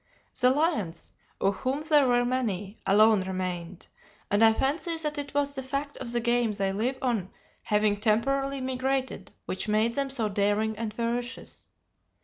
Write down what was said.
The lions, of whom there were many, alone remained, and I fancy that it was the fact of the game they live on having temporarily migrated which made them so daring and ferocious.